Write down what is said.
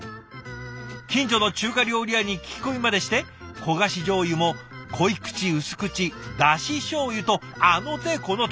近所の中華料理屋に聞き込みまでして焦がしじょうゆも濃い口薄口ダシしょうゆとあの手この手。